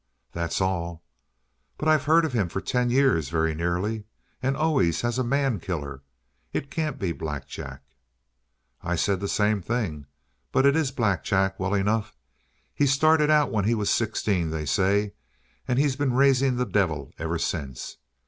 "That's all." "But I've heard of him for ten years, very nearly. And always as a man killer. It can't be Black Jack." "I said the same thing, but it's Black Jack, well enough. He started out when he was sixteen, they say, and he's been raising the devil ever since.